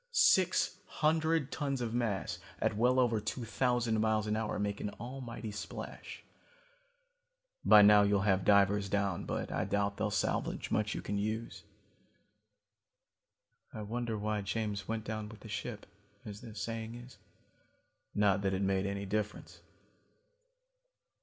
Six hundred tons of mass at well over two thousand miles an hour make an almighty splash. By now you'll have divers down, but I doubt they'll salvage much you can use. "I wonder why James went down with the ship, as the saying is? Not that it made any difference.